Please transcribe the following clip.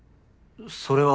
それは。